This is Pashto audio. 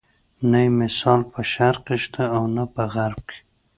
نه یې مثال په شرق کې شته او نه په غرب کې.